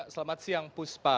selamat siang puspa